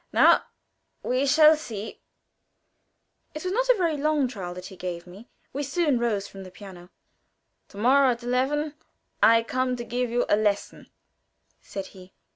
Na! we shall see!" It was not a very long "trial" that he gave me; we soon rose from the piano. "To morrow at eleven I come to give you a lesson," said he.